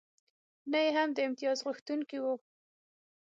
نه یې هم د امتیازغوښتونکی و.